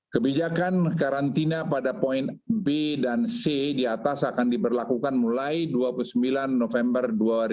kebijakan karantina pada poin b dan c di atas akan diberlakukan mulai dua puluh sembilan november dua ribu dua puluh